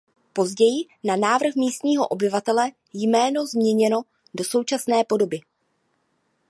Později na návrh místního obyvatele jméno změněno do současné podoby.